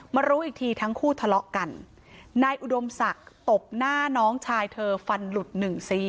รู้อีกทีทั้งคู่ทะเลาะกันนายอุดมศักดิ์ตบหน้าน้องชายเธอฟันหลุดหนึ่งซี